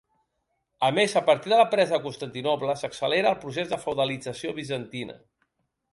A més, a partir de la presa de Constantinoble s'accelera el procés de feudalització bizantina.